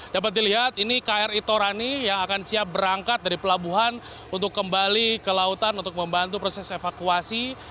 dapat dilihat ini kri torani yang akan siap berangkat dari pelabuhan untuk kembali ke lautan untuk membantu proses evakuasi